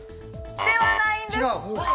ではないんです。